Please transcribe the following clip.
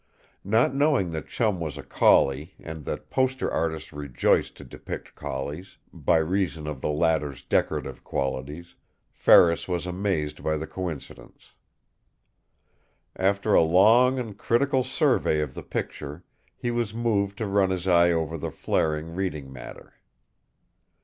Not knowing that Chum was a collie and that poster artists rejoice to depict collies, by reason of the latter's decorative qualities, Ferris was amazed by the coincidence. After a long and critical survey of the picture, he was moved to run his eye over the flaring reading matter.